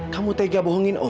kamu tega bohongin om